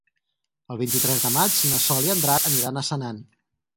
El vint-i-tres de maig na Sol i en Drac aniran a Senan.